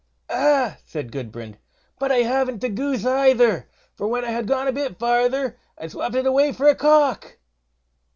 "Ah!" said Gudbrand, "but I haven't the goose either; for when I had gone a bit farther I swopped it away for a cock."